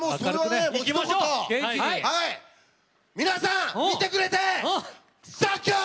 皆さん見てくれてサンキュー！